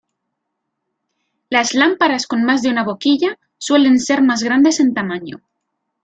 Las lámparas con más de una boquilla suelen ser más grandes en tamaño.